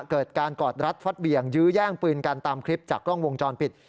เกิดการกอดรัดฟัดเบี่ยงยื้อแย่งปืนกันตามคลิปจากกล้องวงจรปิด